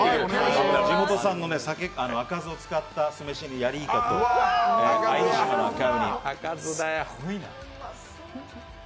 地元産の赤酢を使ったヤリイカと藍島の赤うにを。